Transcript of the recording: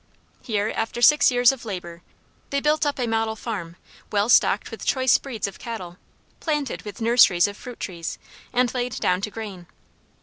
Here, after six years of labor, they built up a model farm, well stocked with choice breeds of cattle, planted with nurseries of fruit trees, and laid down to grain.